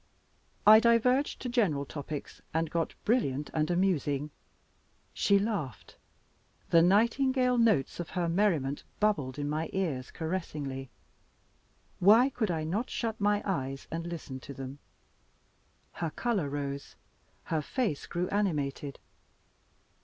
I diverged to general topics, and got brilliant and amusing. She laughed the nightingale notes of her merriment bubbled into my ears caressingly why could I not shut my eyes and listen to them? Her color rose; her face grew animated.